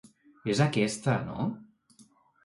És aquesta, no?